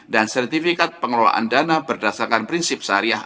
dan sertifikat pengelolaan dana berdasarkan prinsip syariah